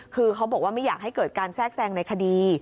คือเขาบอกว่าไม่อยากให้เกิดการแทรกแทรงในคดี